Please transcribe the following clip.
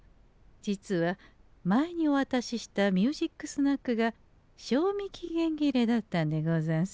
実は前におわたしした「ミュージックスナック」が賞味期限切れだったんでござんすよ。